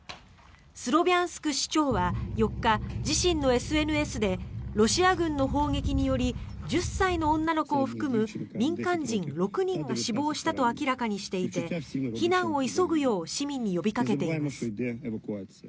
スロビャンスク市長は４日自身のＳＮＳでロシア軍の砲撃により１０歳の女の子を含む民間人６人が死亡したと明らかにしていて避難を急ぐよう市民に呼びかけています。